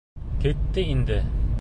Китте инде.